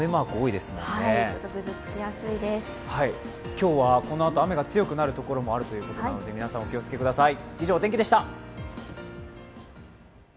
今日はこのあと、雨が強くなるところもあるということなので皆さん、お気を付けください。